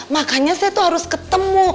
makanya saya tuh harus ketemu